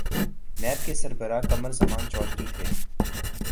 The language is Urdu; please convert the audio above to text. نیب کے سربراہ قمر زمان چوہدری تھے۔